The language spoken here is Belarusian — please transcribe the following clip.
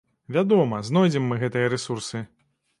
Вядома, знойдзем мы гэтыя рэсурсы.